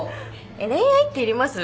恋愛っていります？